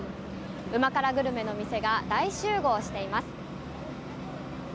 うま辛グルメの店が大集合しています。